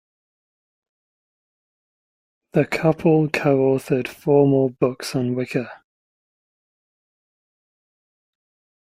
The couple co-authored four more books on Wicca.